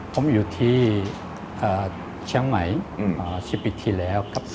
ผมอยู่ที่เชียงใหม่๑๐ปีที่แล้วครับ